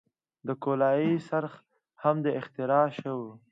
د کولالۍ څرخ هم اختراع شو.